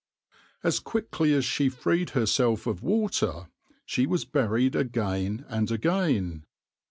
As quickly as she freed herself of water, she was buried again and again.